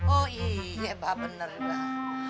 oh iya pak bener pak